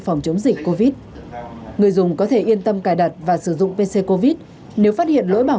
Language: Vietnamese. phòng chống dịch covid người dùng có thể yên tâm cài đặt và sử dụng pc covid nếu phát hiện lỗi bảo